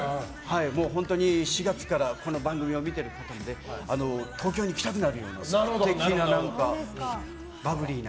本当に４月からこの番組を見ている方も東京に来たくなるような素敵な、バブリーな。